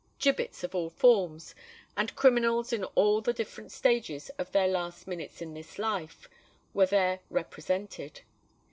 Gibbets of all forms, and criminals in all the different stages of their last minutes in this life, were there represented.